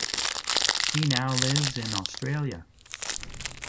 He now lives in Australia.